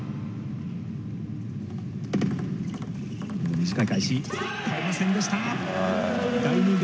短い返し越えませんでした。